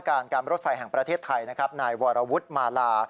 การการรถไฟแห่งประเทศไทยนะครับนายวรวุฒิมาลา